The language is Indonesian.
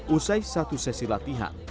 usai satu sesi latihan